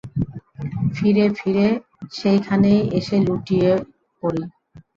ফিরে ফিরে সেইখানে এসে লুটিয়ে পড়ি।